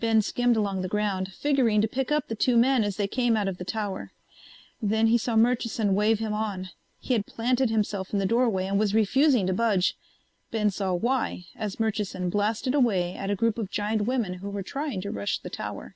Ben skimmed along the ground, figuring to pick up the two men as they came out of the tower. Then he saw Murchison wave him on. He had planted himself in the doorway and was refusing to budge. Ben saw why as Murchison blasted away at a group of giant women who were trying to rush the tower.